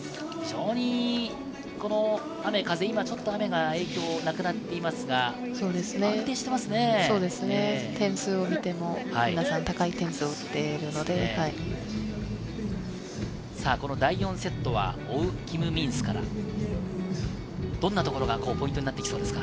非常に雨・風、今は雨の影響はなくなっていますが、安定していま点数を見ても、皆さん高い点第４セットは追う、キム・ミンスから、どんなところがポイントになってきそうですか？